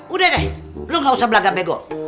udah deh lo gak usah berlagak bego